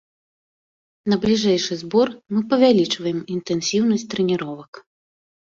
На бліжэйшы збор мы павялічваем інтэнсіўнасць трэніровак.